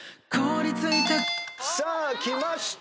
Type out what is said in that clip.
さあきました